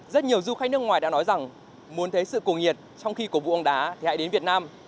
rất nhiều du khách nước ngoài đã nói rằng muốn thấy sự cuồng nhiệt trong khi cổ vũ bóng đá thì hãy đến việt nam